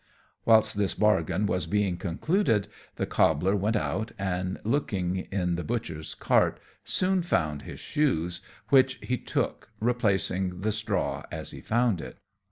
Whilst this bargain was being concluded the cobbler went out, and looking in the butcher's cart soon found the shoes, which he took, replacing the straw as he found it.